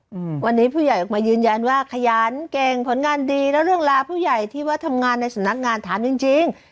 อืมวันนี้ผู้ใหญ่ออกมายืนยันว่าขยันเก่งผลงานดีแล้วเรื่องราวผู้ใหญ่ที่ว่าทำงานในสำนักงานถามจริงจริง